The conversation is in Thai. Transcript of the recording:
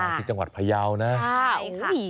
ที่จังหวัดพยาวนะ